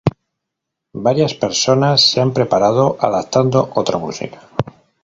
Varias versiones se han preparado adaptando otra música.